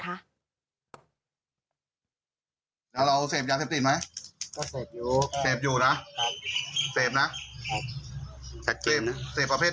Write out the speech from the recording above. หายาบ้าแล้วเศษหนักไหมวันละกี่เม็ด